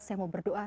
saya mau berdoa